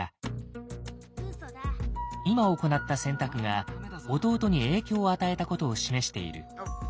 今行った選択が弟に影響を与えたことを示している。